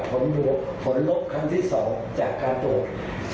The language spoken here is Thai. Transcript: ผลลบครั้งที่๒จากการตรวจ